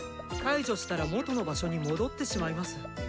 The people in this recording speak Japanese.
解除したら元の場所に戻ってしまいます。